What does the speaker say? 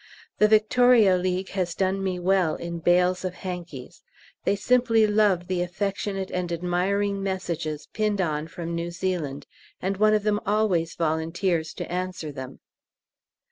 The Victoria League has done me well in bales of hankies. They simply love the affectionate and admiring messages pinned on from New Zealand, and one of them always volunteers to answer them.